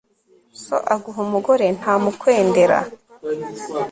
so aguha umugore ntamukwendera